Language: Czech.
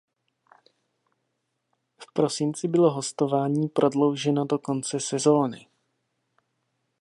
V prosinci bylo hostování prodlouženo do konce sezóny.